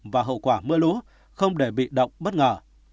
và hậu quả mưa lũ không để bị động bất ngờ